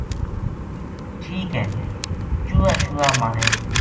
ٹھیک ہے چوہا شوہا مارے گی